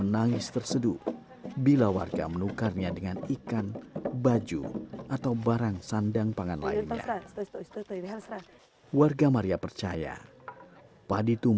dan juga mengajarkan sikap